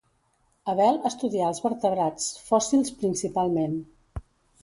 Abel estudià els vertebrats fòssils principalment.